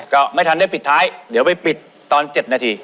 ก็ไม่ทันได้ปิดท้ายเดี๋ยวไปปิดตอน๗นาที